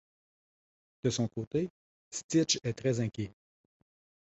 De son côté, Stitch est très inquiet.